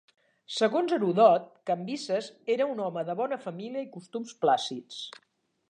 Segons Heròdot, Cambises era "un home de bona família i costums plàcids".